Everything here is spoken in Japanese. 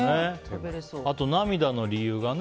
あと涙の理由がね。